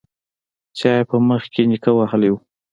چا يې په مخ کې نيکه وهلی و.